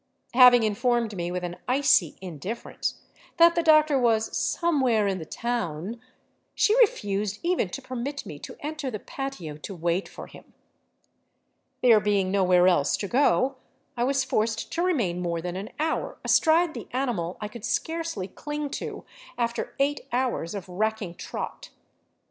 Having informed me with an icy indifference that the doctor was " somewhere in the town," she refused even to permit me to enter the patio to wait for him. There being nowhere else to go, I was forced to remain more than an hour astride the animal I could scarcely cling to after eight hours of racking trot.